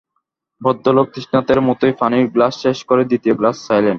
ভদ্রলোক তৃষ্ণার্তের মতোই পানির গ্লাস শেষ করে দ্বিতীয় গ্লাস চাইলেন।